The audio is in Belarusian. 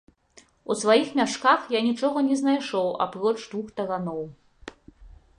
У сваіх мяшках я нічога не знайшоў, апроч двух тараноў.